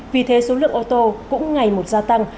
vì thế số lượng ô tô cũng ngày một gia tăng